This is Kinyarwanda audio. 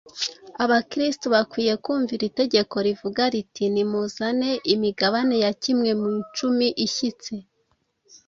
Abakristo bakwiriye kumvira itegeko rivuga riti, “Nimuzane imigabane ya kimwe mu icumi ishyitse